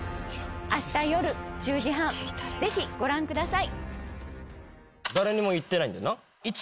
明日夜１０時半ぜひご覧ください。